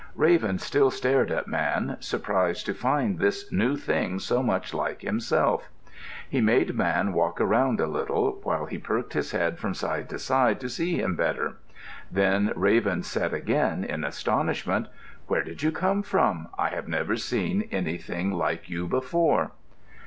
Raven still stared at Man, surprised to find this new thing so much like himself. He made Man walk around a little, while he perked his head from side to side to see him better. Then Raven said again, in astonishment, "Where did you come from? I have never seen anything like you before."